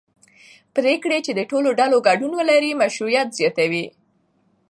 پرېکړې چې د ټولو ډلو ګډون ولري مشروعیت زیاتوي